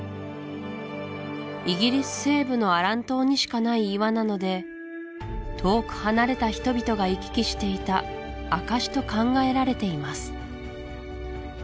イギリス西部のアラン島にしかない岩なので遠く離れた人々が行き来していた証しと考えられています